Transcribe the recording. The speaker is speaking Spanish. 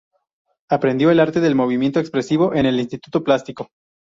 Aprendió el arte del movimiento expresivo en el Instituto plástico.